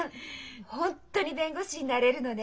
本当に弁護士になれるのね。